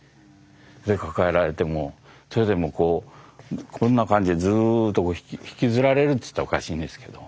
抱えられてそれでこんな感じでずっと引きずられるって言ったらおかしいんですけど。